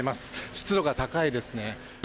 湿度が高いですね。